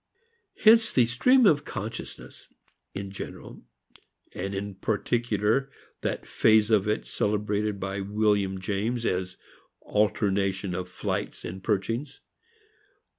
Hence the "stream of consciousness" in general, and in particular that phase of it celebrated by William James as alternation of flights and perchings.